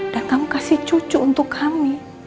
dan kamu kasih cucu untuk kami